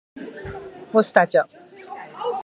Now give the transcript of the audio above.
مستجاب